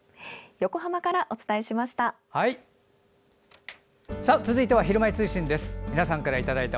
横浜からお伝えしました。